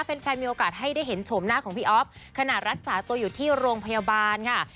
แฟนมีโอกาสให้ได้เห็นโฉมหน้าของพี่อ๊อฟขณะรักษาตัวอยู่ที่โรงพยาบาลค่ะ